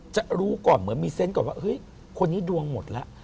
จะรู้ก่อนเหมือนมีเซนต์ก่อนว่าเฮ้ยคนนี้ดวงหมดแล้ว